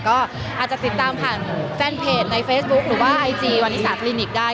ก็อาจจะติดตามผ่านแฟนเพจในเฟซบุ๊คหรือว่าไอจีวานิสาคลินิกได้